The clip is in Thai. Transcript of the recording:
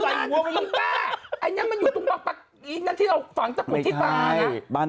โถคุณพาผมไปอัคลักษณ์อัคลักษณ์